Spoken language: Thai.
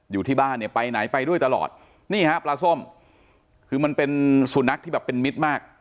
อยู่ที่บ้านเนี่ยไปไหนไปด้วยตลอดนี่ฮะปลาส้มคือมันเป็นสุนัขที่แบบเป็นมิตรมาก